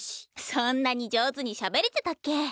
そんなに上手にしゃべれてたっけ？